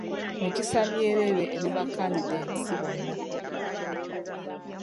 Mikisa myereere eri ba kandidetisi bonna.